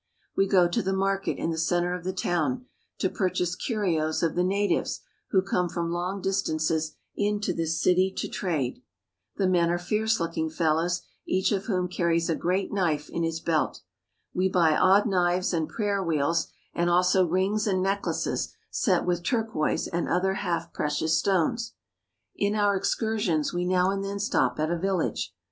We go to the market, in the center of the town, to purchase curios of the natives who come from long distances into this city to trade. The men are fierce looking fellows, each of whom carries a great knife in his belt. We buy odd knives and prayer wheels, and also rings and necklaces set with turquoise and other half precious stones. In our excursions we now and then stop at a village.